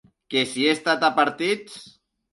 Que si he estat a partits?